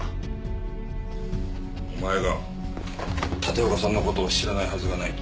お前が立岡さんの事を知らないはずがない。